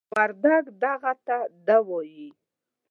وردگ "دغه" ته "دَ" وايي.